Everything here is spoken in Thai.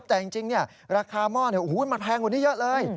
แต่จริงราคาหม้อมันแพงกว่านี้เยอะเลย